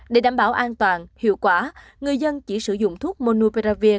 để đảm bảo an toàn hiệu quả người dân chỉ sử dụng thuốc monuperavir